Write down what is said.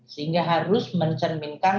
sehingga harus mencerminkan